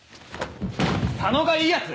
佐野がいいやつ？